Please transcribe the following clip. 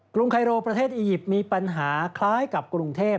รุงไคโรประเทศอียิปต์มีปัญหาคล้ายกับกรุงเทพ